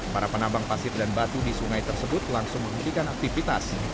para penambang pasir dan batu di sungai tersebut langsung menghentikan aktivitas